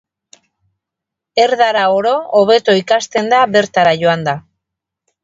Erdara oro hobeto ikasten da bertara joanda.